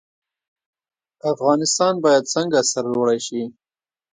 افغانستان باید څنګه سرلوړی شي؟